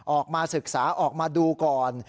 ออกมาศึกษาออกมาดูก่อน